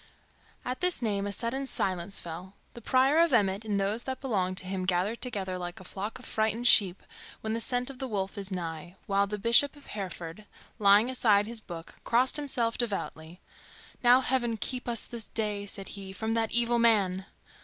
At this name a sudden silence fell. The Prior of Emmet and those that belonged to him gathered together like a flock of frightened sheep when the scent of the wolf is nigh, while the Bishop of Hereford, laying aside his book, crossed himself devoutly. "Now Heaven keep us this day," said he, "from that evil man!"